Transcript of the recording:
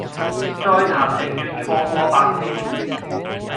再談情願錯過白天